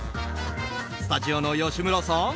スタジオの吉村さん